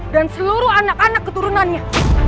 dan seluruh anak anak keturunannya